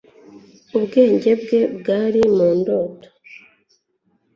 ubwenge bwe bwari mu ndoto